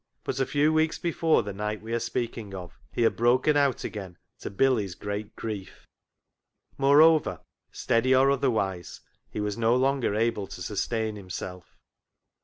But a few weeks before the night we are speaking of he had broken out again, to Billy's great grief. Moreover, steady or otherwise, he was no longer able to sustain himself.